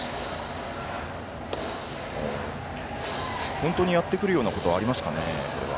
本当にやってくるようなことはありますかね、これは。